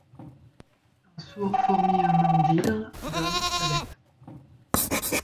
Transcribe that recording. Un sourd fourmillement d’hydres, d’hommes, de bêtes